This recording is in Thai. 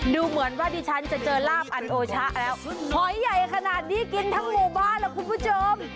ดูเหมือนว่าดิฉันจะเจอลาบอันโอชะแล้วหอยใหญ่ขนาดนี้กินทั้งหมู่บ้านแล้วคุณผู้ชม